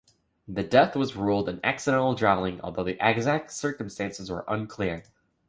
The death was ruled an accidental drowning although the exact circumstances were unclear.